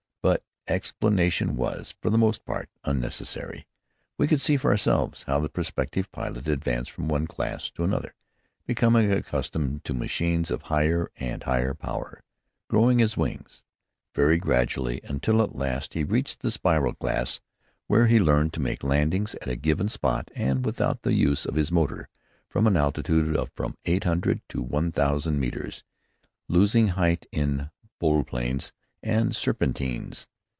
But explanation was, for the most part, unnecessary. We could see for ourselves how the prospective pilot advanced from one class to another, becoming accustomed to machines of higher and higher power, "growing his wings" very gradually, until at last he reached the spiral class, where he learned to make landings at a given spot and without the use of his motor, from an altitude of from eight hundred to one thousand metres, losing height in volplanes and serpentines.